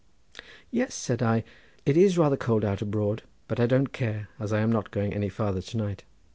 "Yes," said I; "it is rather cold out abroad, but I don't care, as I am not going any farther to night."